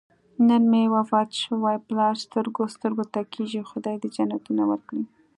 نن مې وفات شوی پلار سترګو سترګو ته کېږي. خدای دې جنتونه ورکړي.